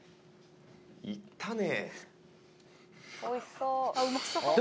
いったね